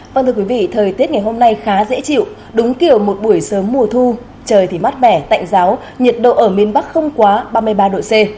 vâng thưa quý vị thời tiết ngày hôm nay khá dễ chịu đúng kiểu một buổi sớm mùa thu trời thì mát mẻ tạnh giáo nhiệt độ ở miền bắc không quá ba mươi ba độ c